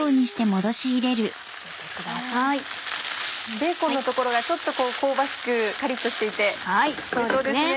ベーコンの所がちょっと香ばしくカリっとしていておいしそうですね。